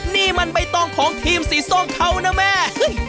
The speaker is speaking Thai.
นี่มันใบตองของทีมสีส้มเขานะแม่